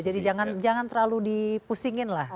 jadi jangan terlalu dipusingin lah